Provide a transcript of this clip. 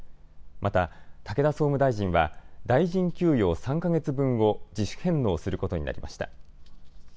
また武田総務大臣は大臣給与３か月分を自主返納することになりました。